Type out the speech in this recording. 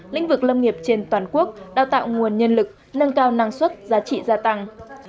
lĩnh vực lâm nghiệp trên toàn quốc đào tạo nguồn nhân lực nâng cao năng suất giá trị gia tăng